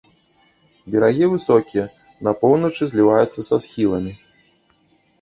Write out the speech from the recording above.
Берагі высокія, на поўначы зліваюцца са схіламі.